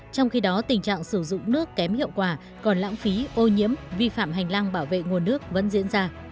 trong khi đó tình trạng sử dụng nước kém hiệu quả còn lãng phí ô nhiễm vi phạm hành lang bảo vệ nguồn nước vẫn diễn ra